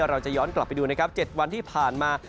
เราจะย้อนกลับไปดูนะครับ๗วันที่ผ่านมา